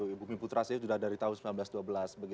ibu mi putra saya sudah dari tahun seribu sembilan ratus dua belas